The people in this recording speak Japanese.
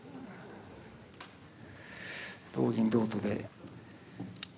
同銀同と金で。